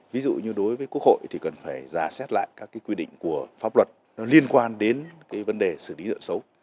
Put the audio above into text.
ví dụ như đối với quốc hội thì cần phải giả xét lại các cái quy định của pháp luật liên quan đến cái vấn đề xử lý nợ xấu